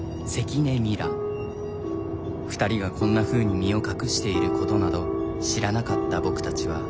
２人がこんなふうに身を隠していることなど知らなかった僕たちは。